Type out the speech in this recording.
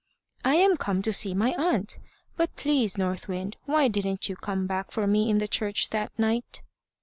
"I am come to see my aunt. But, please, North Wind, why didn't you come back for me in the church that night?"